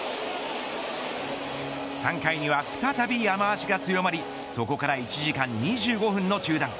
３回には再び雨脚が強まりそこから１時間２５分の中断。